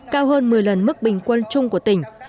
cao hơn một mươi lần mức bình quân chung của tỉnh